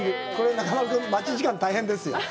中丸君、待ち時間が大変ですよ。